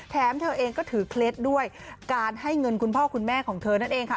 เธอเองก็ถือเคล็ดด้วยการให้เงินคุณพ่อคุณแม่ของเธอนั่นเองค่ะ